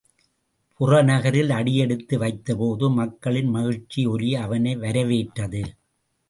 புறநகரில் அடியெடுத்து வைத்தபோது மக்களின் மகிழ்ச்சி ஒலி அவனை வரவேற்றது.